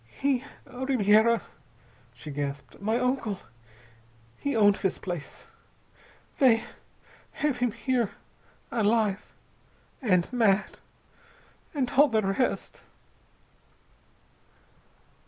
"He Ribiera," she gasped. "My uncle, he owned this place. They have him here alive and mad! And all the rest...."